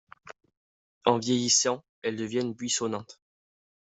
En vieillissant, elles deviennent buissonnantes.